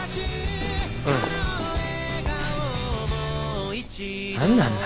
うん。何なんだ。